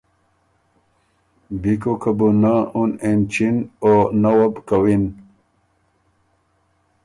بیکوکه بو نۀ اُن اېنچِن او نۀ وه بو کَوِن۔